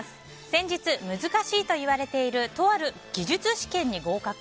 先日難しいといわれているとある技術試験に合格。